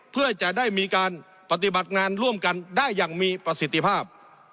เพื่อจะได้มีการปฏิบัติงานร่วมกันได้อย่างมีประสิทธิภาพ